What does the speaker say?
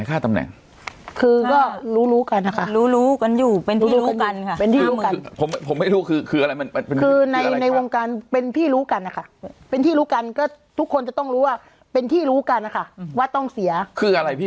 ก็เหลือก็๒๐๐๐กว่าบาท